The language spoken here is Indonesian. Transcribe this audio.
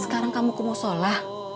sekarang kamu kemusolah